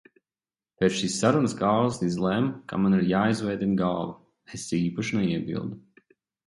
Pēc šīs sarunas Kārlis izlēma, ka man ir jāizvēdina galva. Es īpaši neiebildu.